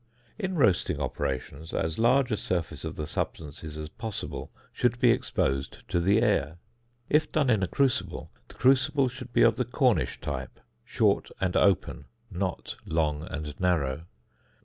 In roasting operations, as large a surface of the substance as possible should be exposed to the air. If done in a crucible, the crucible should be of the Cornish type, short and open, not long and narrow.